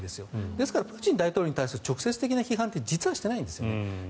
ですからプーチン大統領に対する直接的な批判って実はしていないんですね。